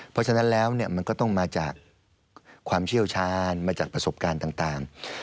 เพราะฉะนั้นแล้วมันก็ต้องมาจากความเชี่ยวชาญมาจากประสบการณ์ต่าง